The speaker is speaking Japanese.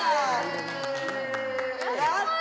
やった！